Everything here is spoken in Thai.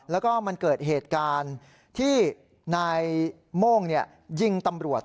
แล้วก็มันเกิดเหตุการณ์ที่นายโม่งยิงตำรวจ